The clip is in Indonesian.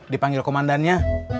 besok dipanggil komandannya